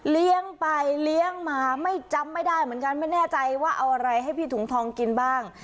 เลี้ยงไปเลี้ยงมาไม่จำไม่ได้เหมือนกันไม่แน่ใจว่าเอาอะไรให้พี่ถุงทองกินบ้าง